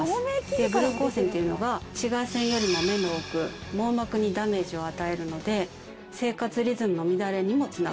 ブルー光線っていうのが紫外線よりも目の奥網膜にダメージを与えるので生活リズムの乱れにも繋がります。